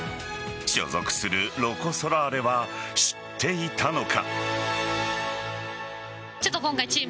所属するロコ・ソラーレは知っていたのか。